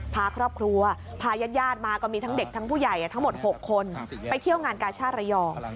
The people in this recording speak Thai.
พาครอบครัวพาญาติมาก็มีทั้งเด็กทั้งผู้ใหญ่ทั้งหมด๖คนไปเที่ยวงานกาชาติระยอง